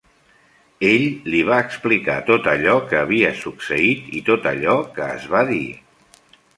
Ell li va explicar tot allò que havia succeït i tot allò que es va dir.